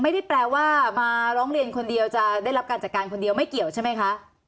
ไม่ได้แปลว่ามาร้องเรียนคนเดียวจะได้รับการจัดการคนเดียวไม่เกี่ยวใช่ไหมคะ